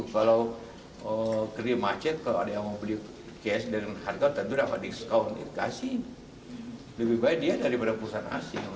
kasih lebih baik dia daripada pusat asing